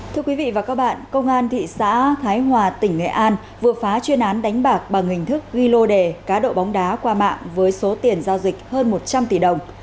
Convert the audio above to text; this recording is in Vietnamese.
thưa quý vị và các bạn công an thị xã thái hòa tỉnh nghệ an vừa phá chuyên án đánh bạc bằng hình thức ghi lô đề cá độ bóng đá qua mạng với số tiền giao dịch hơn một trăm linh tỷ đồng